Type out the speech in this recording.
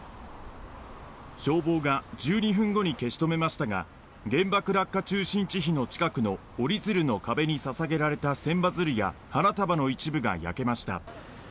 消防が１２分後に消し止めましたが原爆落下中心地碑の近くの折り鶴の壁に捧げられた千羽鶴や花束の一部が焼けました。